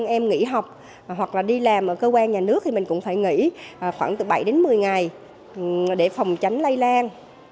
em nghỉ học hoặc là đi làm ở cơ quan nhà nước thì mình cũng phải nghỉ khoảng từ bảy đến một mươi ngày để phòng tránh lây lan